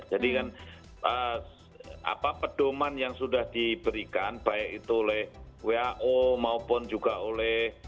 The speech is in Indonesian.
jadi kan apa pedoman yang sudah diberikan baik itu oleh wao maupun juga oleh